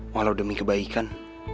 walau demi kebaikan